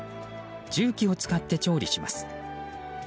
重機を使って調理します。